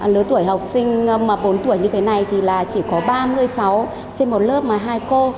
lứa tuổi học sinh mà bốn tuổi như thế này thì là chỉ có ba mươi cháu trên một lớp mà hai cô